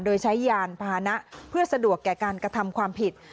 โดยใช้ยานพาหนะเพื่อสะดวกแก่การกระทำความผิด